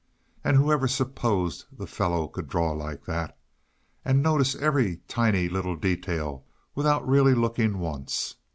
And whoever supposed the fellow could draw like that and notice every tiny little detail without really looking once?